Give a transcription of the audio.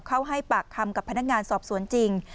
เขาให้ปากคำกับพนักงานสอบสวนจริง